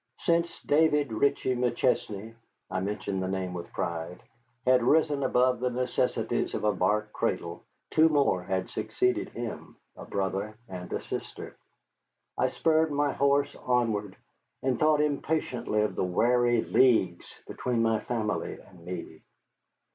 Since David Ritchie McChesney (I mention the name with pride) had risen above the necessities of a bark cradle, two more had succeeded him, a brother and a sister. I spurred my horse onward, and thought impatiently of the weary leagues between my family and me.